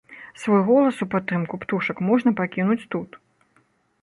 Свой голас у падтрымку птушак можна пакінуць тут.